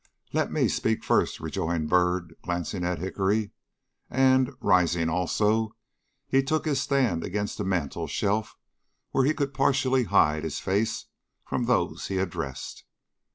"Let me speak first," rejoined Byrd, glancing at Hickory. And, rising also, he took his stand against the mantel shelf where he could partially hide his face from those he addressed.